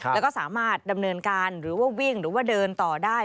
แล้วก็สามารถดำเนินการหรือว่าวิ่งหรือว่าเดินต่อได้